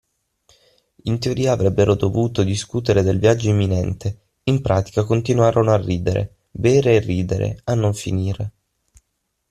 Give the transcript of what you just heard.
In teoria avrebbero dovuto discutere del viaggio imminente, in pratica continuarono a ridere, bere e ridere a non finire.